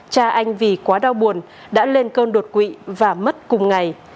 cha anh vì quá đau buồn đã lên cơn đột quỵ và mất cùng ngày